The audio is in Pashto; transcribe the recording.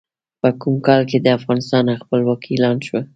په کوم کال کې د افغانستان خپلواکي اعلان شوه؟